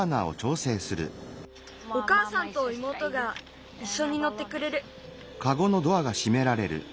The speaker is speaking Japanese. おかあさんといもうとがいっしょにのってくれる。